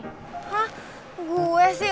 hah gue sih